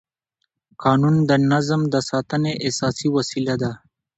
قانون د نظم د ساتنې اساسي وسیله ده.